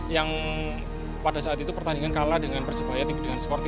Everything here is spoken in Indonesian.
yang pada saat itu pertandingan kalah dengan persebayat dengan skor tiga puluh tiga